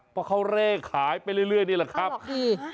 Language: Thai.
เพราะเขาเลขายไปเรื่อยนี่แหละครับเขาบอกที่